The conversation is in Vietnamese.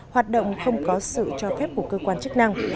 hoạt động không có sự cho phép của cơ quan chức năng